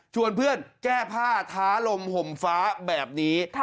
เพื่อนแก้ผ้าท้าลมห่มฟ้าแบบนี้